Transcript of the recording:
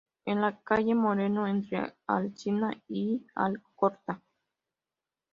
En la calle Moreno entre Alsina y Alcorta.